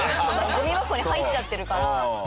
ゴミ箱に入っちゃってるから。